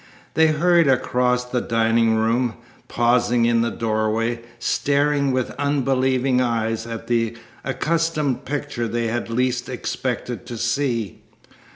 They hurried across the dining room, pausing in the doorway, staring with unbelieving eyes at the accustomed picture they had least expected to see.